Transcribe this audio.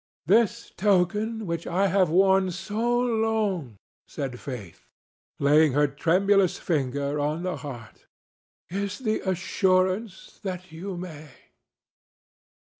"This token which I have worn so long," said Faith, laying her tremulous finger on the heart, "is the assurance that you may."